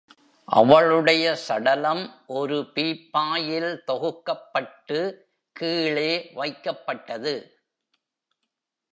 அவளுடைய சடலம் ஒரு பீப்பாயில் தொகுக்கப்பட்டு, கீழே வைக்கப்பட்டது.